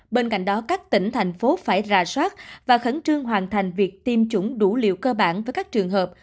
bên cạnh đó các tỉnh thành phố phải ra soát và khẩn trương hoàn thành việc tiêm chủng đủ liều cơ bản với các trường hợp